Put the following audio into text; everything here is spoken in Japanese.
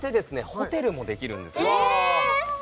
ホテルもできるんですええっ！